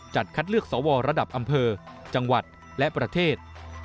คัดเลือกสวระดับอำเภอจังหวัดและประเทศ